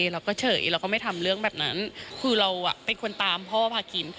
เราก็เฉยเราก็ไม่ทำเรื่องแบบนั้นคือเราเป็นคนตามพ่อพากิน